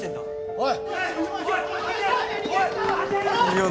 おい！